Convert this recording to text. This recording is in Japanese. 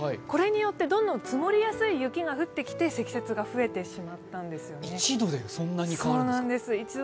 これによってどんどん積もりやすい雪が降ってきて積雪が増えてしまったんですね。